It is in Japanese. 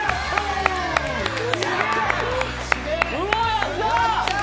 やったー！！